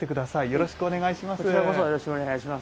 よろしくお願いします。